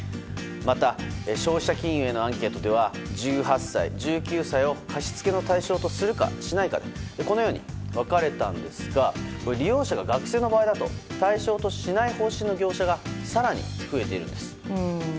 また、消費者金融へのアンケートでは１８歳、１９歳を貸し付けの対象とするかしないかこのように分かれたんですが利用者が学生の場合だと対象としない方針の業者が更に増えているんです。